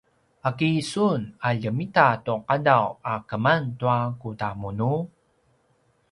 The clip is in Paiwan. a kisun a ljemita tu qadaw a keman tua kudamunu?